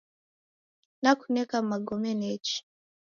Nakuneka magome nechi.